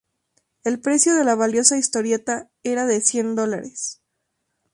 El precio de la valiosa historieta era de cien dólares.